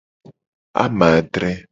Amangdre.